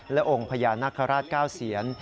และองค์พระยานราชก้าวเซียน